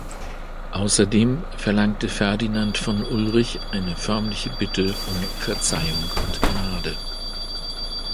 Außerdem verlangte Ferdinand von Ulrich eine förmliche Bitte um Verzeihung und Gnade.